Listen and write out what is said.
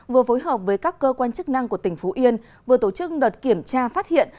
vừa phối hợp với các cơ quan chức năng của tỉnh phú yên vừa tổ chức đợt kiểm tra phát hiện